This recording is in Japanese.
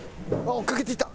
追っかけていった！